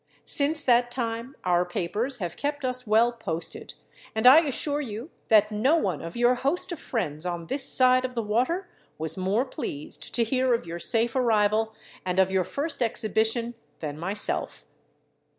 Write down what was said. Since that time our papers have kept us well "posted," and I assure you that no one of your host of friends on this side of the water was more pleased to hear of your safe arrival and of your first exhibition than myself.